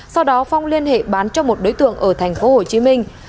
sau đó phong liên hệ bán cho một đối tượng ở thành phố hồ chí minh